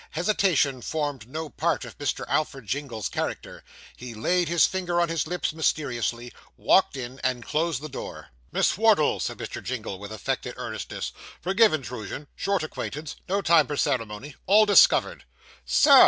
Hesitation formed no part of Mr. Alfred Jingle's character. He laid his finger on his lips mysteriously, walked in, and closed the door. 'Miss Wardle,' said Mr. Jingle, with affected earnestness, 'forgive intrusion short acquaintance no time for ceremony all discovered.' 'Sir!